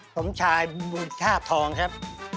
ผมชายมุทิศาพทองครับ